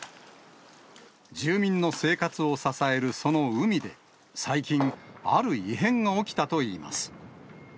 住民の生活を支えるその海で、最近、ある異変が起きたといいます。